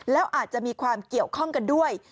แล้วอาจจะมีความเกี่ยวข้องกันด้วย